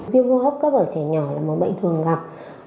viêm hô hấp cấp ở trẻ nhỏ là một bệnh thường gặp